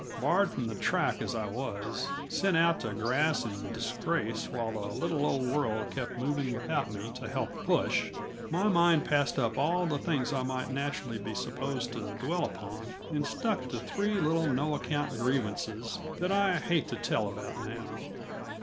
Barred from the track as I was, sent out to grass in disgrace while the little old world kept moving without me to help push, my mind passed up all the things I might naturally be supposed to dwell upon and stuck to three little no account grievances that I hate to tell about now.